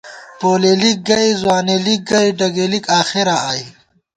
پولېلِک گئی، ځوانېلِک گئی، ڈگېلِک آخېراں آئی